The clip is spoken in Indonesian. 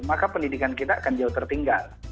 maka pendidikan kita akan jauh tertinggal